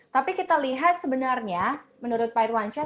tapi kita lihat sebenarnya menurut pak irwansyah